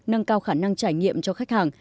nâng cao khả năng trải nghiệm cho khách hàng